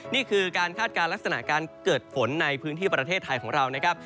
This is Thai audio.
นี่คือการคาดการณ์ลักษณะการเกิดฝนในพื้นที่ประเทศไทยของเรานะครับ